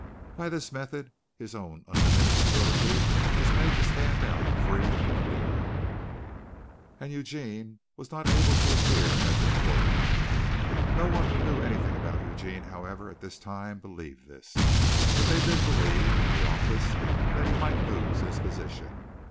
By this method, his own undiminished ability was made to stand out free and clear, and Eugene was not able to appear as important. No one who knew anything about Eugene, however, at this time believed this; but they did believe in the office that he might lose his position.